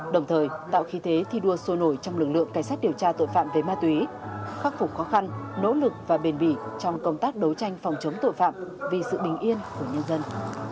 đồng thời tạo khí thế thi đua sôi nổi trong lực lượng cảnh sát điều tra tội phạm về ma túy khắc phục khó khăn nỗ lực và bền bỉ trong công tác đấu tranh phòng chống tội phạm vì sự bình yên của nhân dân